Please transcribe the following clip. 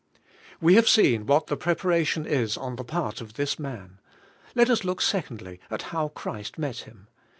We have seen what the preparation is on the part of this man; let us look, secondly, at how Christ met him.